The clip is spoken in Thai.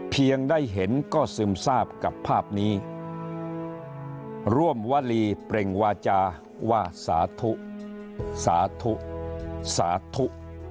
เพียงได้เห็นก็ซึมทราบกับภาพนี้ร่วมวลีเปล่งวาจาว่าสาธุสาธุสาธุ